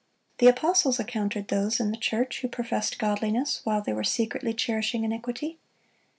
The apostles encountered those in the church who professed godliness while they were secretly cherishing iniquity.